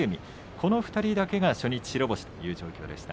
この２人だけが初日白星という状況でした。